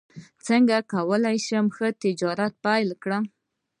څنګه کولی شم ښه تجارت پیل کړم